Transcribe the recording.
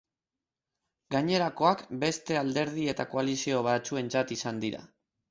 Gainerakoak beste alderdi eta koalizio batzuentzat izan dira.